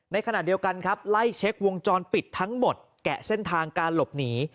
ในขณะเดียวกันครับไล่เช็ควงจรปิดทั้งหมดแกะเส้นทางการหลบหนี